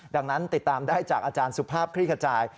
ดังนั้นติดตามได้จากอาจารย์สุภาพคลี่ขจาย